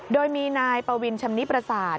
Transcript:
โดยมีนายปวินชำนิประสาท